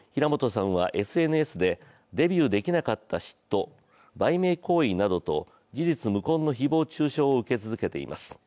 一方、平本さんはＳＮＳでデビューできなかった嫉妬売名行為などど事実無根の中傷を受け続けています。